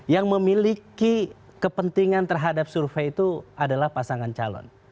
yang memiliki kepentingan terhadap survei itu adalah pasangan calon